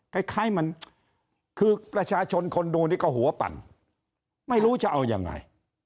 คล้ายมันคือประชาชนคนดูนี่ก็หัวปั่นไม่รู้จะเอายังไง